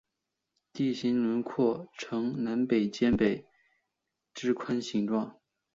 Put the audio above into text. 地形轮廓呈南尖北宽之形状。